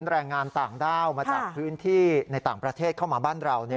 แรงงานต่างด้าวมาจากพื้นที่ในต่างประเทศเข้ามาบ้านเรา